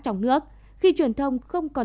trong nước khi truyền thông không còn